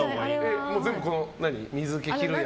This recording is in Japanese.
全部、水気切るやつ？